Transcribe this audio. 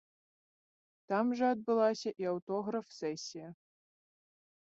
Там жа адбылася і аўтограф-сэсія.